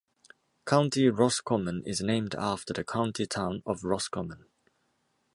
County Roscommon is named after the county town of Roscommon.